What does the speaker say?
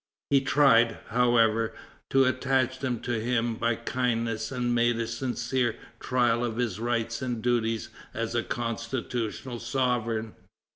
He tried, however, to attach them to him by kindness, and made a sincere trial of his rights and duties as a constitutional sovereign.